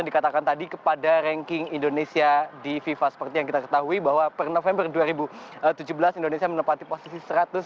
dikatakan tadi kepada ranking indonesia di fifa seperti yang kita ketahui bahwa per november dua ribu tujuh belas indonesia menempati posisi satu ratus tujuh puluh